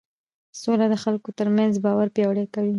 سوله د خلکو ترمنځ باور پیاوړی کوي